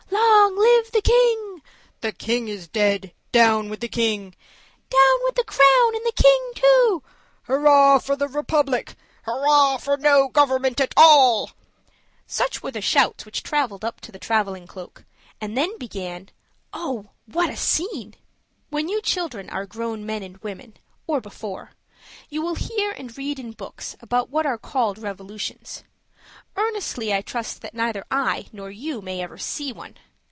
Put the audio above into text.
"Long live the king!" "The king is dead down with the king!" "Down with the crown, and the king too!" "Hurrah for the republic!" "Hurrah for no government at all!" Such were the shouts which traveled up to the traveling cloak. And then began oh, what a scene! When you children are grown men and women or before you will hear and read in books about what are called revolutions earnestly I trust that neither I nor you may ever see one.